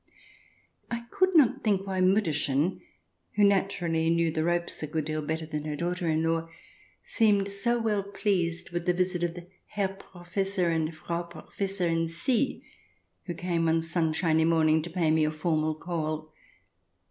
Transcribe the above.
I could not think why Mutterchen, who naturally knew the ropes a good deal better than her daughter in law, seemed so well pleased with the visit of the Herr Professor and Frau Professorin C.,*who came one sunshiny morning to pay me a formal call.